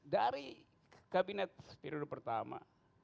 dari kabinet periode pertama